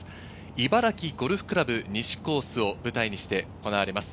茨城ゴルフ倶楽部西コースを舞台にして行われます。